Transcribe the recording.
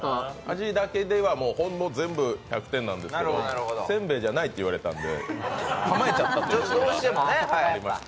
味だけではホンマ全部１００点なんですけどせんべいじゃないって言われたんで、構えちゃったところがありました。